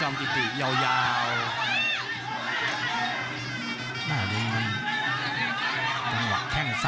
โหโหโหโหโหโหโห